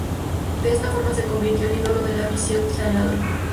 De esta forma se convirtió en ídolo de la afición del "Taladro".